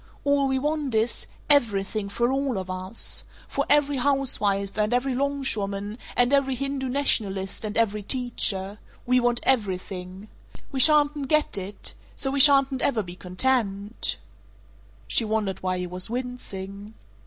All we want is everything for all of us! For every housewife and every longshoreman and every Hindu nationalist and every teacher. We want everything. We shatn't get it. So we shatn't ever be content " She wondered why he was wincing.